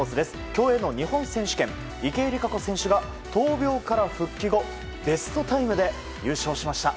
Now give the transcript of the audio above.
競泳の日本選手権池江璃花子選手が闘病から復帰後ベストタイムで優勝しました。